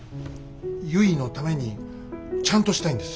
ゆいのためにちゃんとしたいんです。